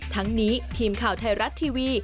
ทั้งนี้ทีมข่าวไทยรัฐทีวี